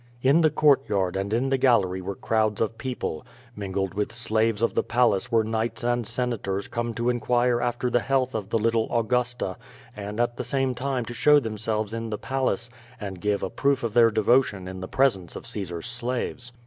In the courtyard and in the gallery were crowds of people. Mingled with slaves of the Palace were knights and Senators come to inquire after the health of the little Augusta, and at the same time to show themselves in the Palace and give a proof of their devotion in the presence of Caesar's slaves.